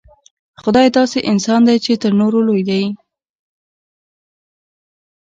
خدای داسې انسان دی چې تر نورو لوی دی.